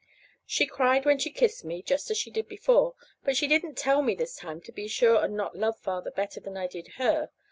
She cried when she kissed me just as she did before; but she didn't tell me this time to be sure and not love Father better than I did her.